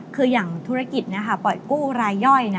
คืออย่างธุรกิจปล่อยกู้รายย่อย